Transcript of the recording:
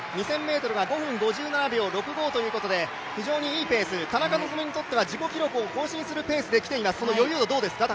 ２０００ｍは５分５７秒６５ということで非常にいいペース田中希実にとっては自己記録を更新するペースできています。